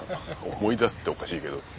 思い出すっておかしいけど。